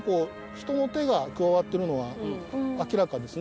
人の手が加わってるのは。